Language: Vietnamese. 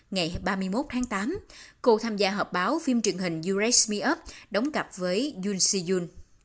ngày ba mươi một tháng tám cô tham gia hợp báo phim truyền hình you raise me up đóng cặp với yoon si yoon